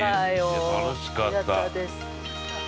◆いや、楽しかった。